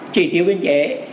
chỉ thiếu biên chế